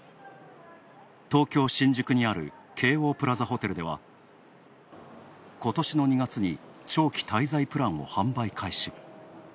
東京・新宿にある京王プラザホテルではことしの２月に長期滞在プランを販売開始。